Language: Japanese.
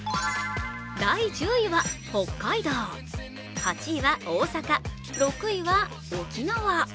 第１０位は北海道、８位は大阪、６位は沖縄。